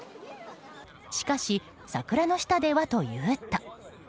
しかし、桜の下ではというと。